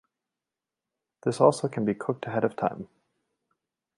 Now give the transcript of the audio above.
This also can be cooked ahead of time